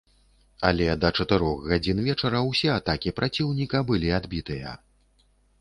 Але да чатырох гадзін вечара ўсе атакі праціўніка, былі адбітыя.